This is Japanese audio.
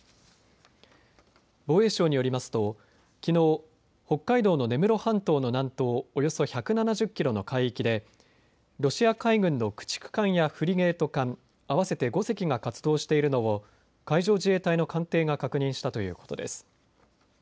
防衛省によりますときのう北海道の根室半島の南東およそ１７０キロの海域でロシア海軍の駆逐艦やフリゲート艦、合わせて５隻が活動しているのを海上自衛隊の艦艇が確認したということです。